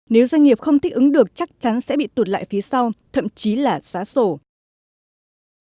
nếu doanh nghiệp không thích ứng được chắc chắn sẽ bị tụt lại phía sau thậm chí là xá sổ